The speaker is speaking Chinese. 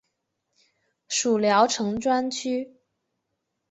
属聊城专区。